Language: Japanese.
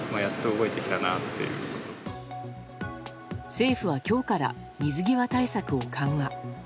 政府は今日から水際対策を緩和。